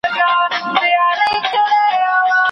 کره کتنه باید هېڅکله د شخصي عقدو او کینو پر بنسټ ونسي.